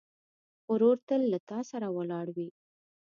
ورور تل له تا سره ولاړ وي.